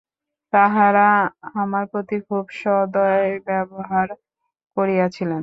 তাঁহারা আমার প্রতি খুব সদ্ব্যবহার করিয়াছিলেন।